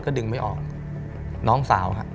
ดึงไม่ออกน้องสาวฮะ